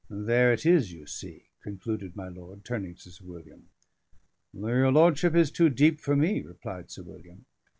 "There it is, you see!" concluded my lord, turning to Sir William. "Your lordship is too deep for me," replied Sir William.